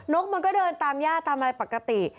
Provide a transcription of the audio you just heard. กมันก็เดินตามย่าตามอะไรปกติ